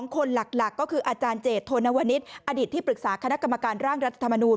คนหลักก็คืออาจารย์เจตโธนวนิษฐ์อดีตที่ปรึกษาคณะกรรมการร่างรัฐธรรมนูล